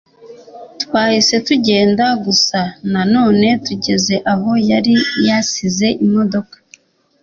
Twahise tugenda gusa na none tugeze aho yari yasize imodoka